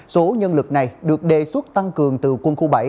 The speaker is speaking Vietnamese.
số nhân lực này được đề xuất tăng cường từ quân khu bảy